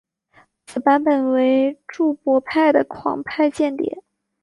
此版本为注博派的狂派间谍。